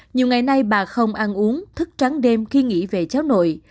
nhiều ngày nay bà không ăn uống thức trắng đêm khi nghỉ về cháu nội